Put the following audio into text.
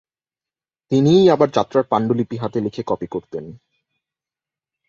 তিনিই আবার যাত্রার পাণ্ডুলিপি হাতে লিখে কপি করতেন।